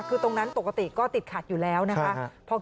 คือตรงนั้นปกติก็ติดขัดอยู่แล้วนะคะ